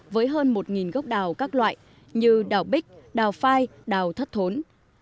với hơn một gốc đào các loại như đào bích đào phai đào thất thốn